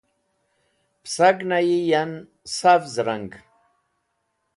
Pẽsagẽnayi yon savz rang.